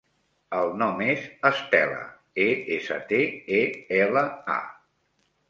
El nom és Estela: e, essa, te, e, ela, a.